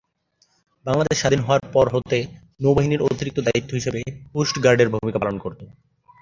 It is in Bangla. বাংলাদেশ স্বাধীন হওয়ার পর হতে নৌ বাহিনী অতিরিক্ত দায়িত্ব হিসেবে কোস্ট গার্ডের ভূমিকা পালন করত।